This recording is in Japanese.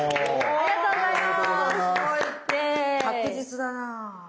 ありがとうございます。